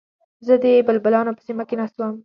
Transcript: زه د بلبلانو په سیمه کې ناست وم.